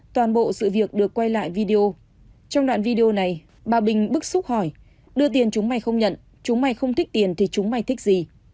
toàn bộ sự việc được quay lại video trong đoạn video này bà bình bức xúc hỏi đưa tiền chúng may không nhận chúng may không thích tiền thì chúng may thích gì